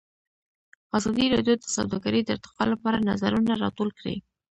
ازادي راډیو د سوداګري د ارتقا لپاره نظرونه راټول کړي.